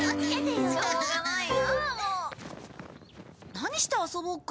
何して遊ぼうか？